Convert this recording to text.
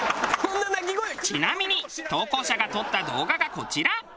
ちなみに投稿者が撮った動画がこちら。